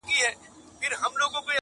شرمنده ټول وزيران او جنرالان وه-